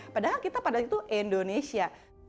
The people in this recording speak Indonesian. padahal kita pada itu indonesia